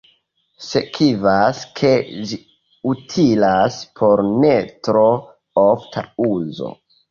Sekvas, ke ĝi utilas por ne tro ofta uzo.